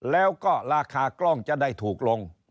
แล้วก็ราคากล้องจะได้ถูกลง